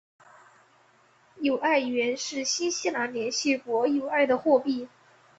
纽埃元是新西兰联系国纽埃的货币。